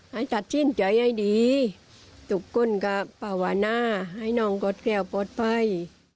ให้ตัดสินใจให้ดีทุกคนก็ประวัตินาให้น้องก็เกลียวปลอดภัย